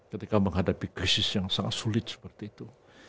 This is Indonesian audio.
ketika menghadapi krisis yang sangat sulit seperti itu